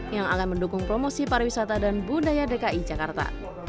yang akan mendukung promosi pariwisata dan budaya dki jakarta